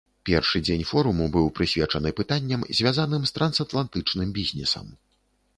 Першы дзень форуму быў прысвечаны пытанням, звязаным з трансатлантычным бізнесам.